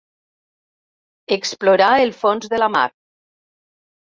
Explorar el fons de la mar.